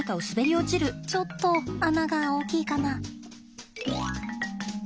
ちょっと穴が大きいかな？